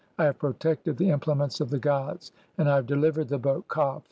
I have protected the implements of "the gods, and I have delivered the boat Kha